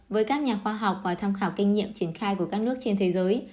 với các nhà khoa học và tham khảo kinh nghiệm triển khai của các nước trên thế giới